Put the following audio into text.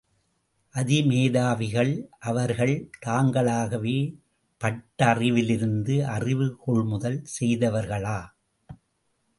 அதிமேதாவிகள் அவர்கள் தாங்களாகவே பட்டறிவிலிருந்து அறிவு, கொள்முதல் செய்தார்களா?